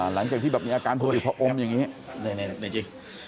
หลังจากที่แบบมีอาการผลิติพระอมอย่างนี้